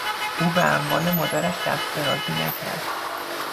او به اموال مادرش دست درازی نکرد.